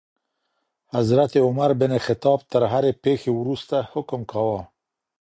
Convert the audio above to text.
حضرت عمر بن خطاب تر هرې پېښي وروسته حکم کاوه.